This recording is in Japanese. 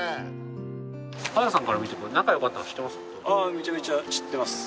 原田さんから見て仲良かったのは知ってます？